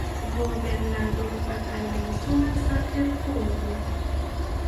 Gobernadorpa calabozonman satʼirquqku.